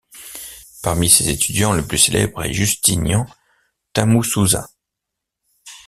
Parmi ses étudiants le plus célèbre est Justinian Tamusuza.